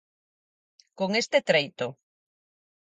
Con este treito.